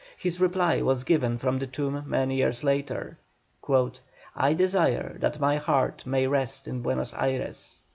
His reply was given from the tomb many years later: "I desire that my heart may rest in Buenos Ayres."